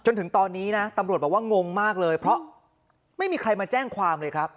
จนถึงตอนนี้นะตำรวจบอกว่างงมากเลยเพราะไม่มีใครมาแจ้งความเลยครับ